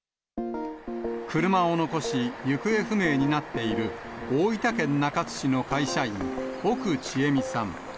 車を残し、行方不明になっている、大分県中津市の会社員、奥知恵美さん。